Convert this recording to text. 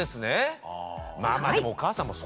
まあまあでもお母さんもそうですよね。